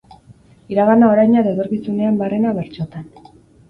Iragana, oraina eta etorkizunean barrena bertsotan.